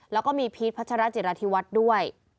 แล้วก็มีพีชพัชราจิราธิวัฒน์ด้วย